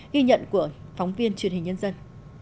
ghi nhận của phóng viên truyền hình nhân dân